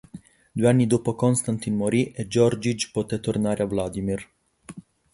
Due anni dopo Konstantin morì e Georgij poté tornare a Vladimir.